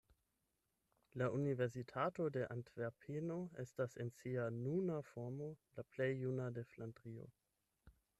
La Universitato de Antverpeno estas en sia nuna formo la plej juna de Flandrio.